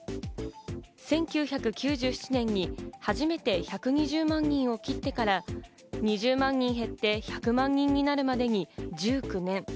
１９９７年に初めて１２０万人を切ってから２０万人減って１００万人になるまでに１９年。